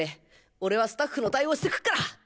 俺はスタッフの対応してくっから！